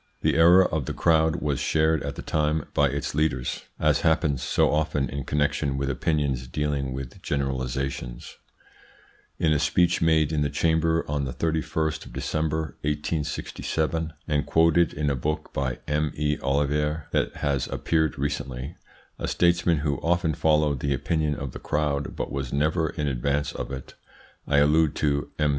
The error of the crowd was shared at the time by its leaders, as happens so often in connection with opinions dealing with generalisations. In a speech made in the Chamber on the 31st of December, 1867, and quoted in a book by M. E. Ollivier that has appeared recently, a statesman who often followed the opinion of the crowd but was never in advance of it I allude to M.